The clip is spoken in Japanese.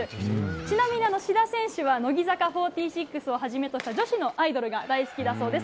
ちなみに志田選手は乃木坂４６をはじめとした女子のアイドルが大好きだそうです。